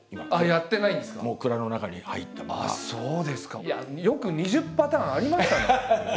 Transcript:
それがよく２０パターンありましたね